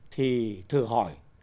thì thử hỏi